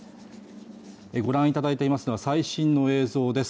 ご覧いただいていますのが最新の映像です